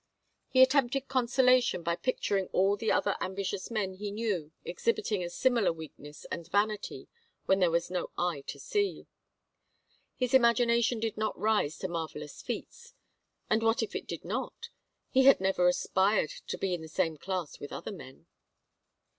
He attempted consolation by picturing all the other ambitious men he knew exhibiting a similar weakness and vanity when there was no eye to see. His imagination did not rise to marvellous feats and what if it did not? He had never aspired to be in the same class with other men.